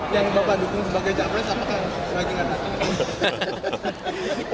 yang bapak dukung sebagai capres apakah